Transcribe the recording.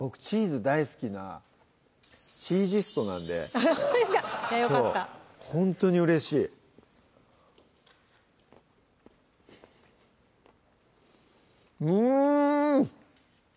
チーズ大好きなチージストなんでほんとにうれしいうん！